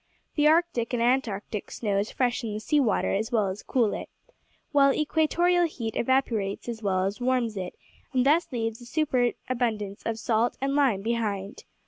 The Arctic and Antarctic snows freshen the sea water as well as cool it, while equatorial heat evaporates as well as warms it, and thus leaves a superabundance of salt and lime behind.